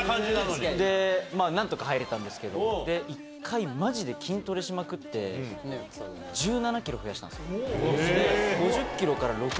なんとなく入れたんですけど、一回マジで、筋トレしまくって、１７キロ増やしたんです。